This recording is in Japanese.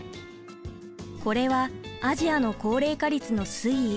これはアジアの高齢化率の推移。